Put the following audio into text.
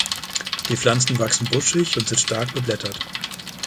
Die Pflanzen wachsen buschig und sind stark beblättert.